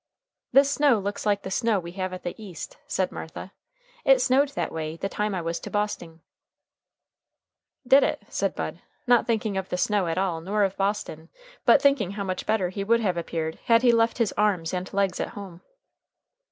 "This snow looks like the snow we have at the East," said Martha. "It snowed that way the time I was to Bosting." "Did it?" said Bud, not thinking of the snow at all nor of Boston, but thinking how much better he would have appeared had he left his arms and legs at home.